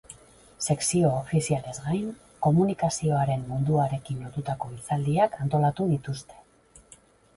Sekzio ofizialez gain, komunikazioaren munduarekin lotutako hitzaldiak antolatu dituzte.